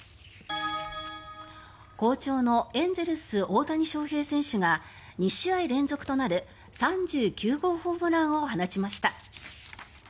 好調のエンゼルス、大谷翔平選手が２試合連続となる３９号ホームランを放ちました。